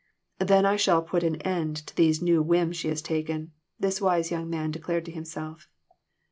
"Then I shall soon put an end to these new whims she has taken," this wise young man declared to himself.